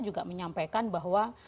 juga menyampaikan bahwa